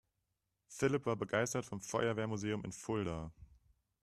Philipp war begeistert vom Feuerwehrmuseum in Fulda.